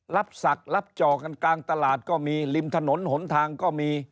รับศักดิ์รับจอกันกลางตลาดก็มีริมถนนหนทางก็มี